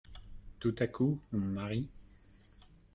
Tout à coup on me marie…